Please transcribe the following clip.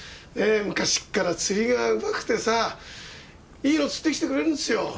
えぇ昔っから釣りがうまくてさいいの釣ってきてくれるんですよ。